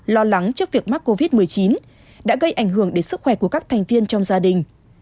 lo lắng trước việc mắc covid một mươi chín đã gây ảnh hưởng đến sức khỏe của các thành viên trong gia đình